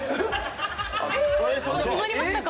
決まりましたか。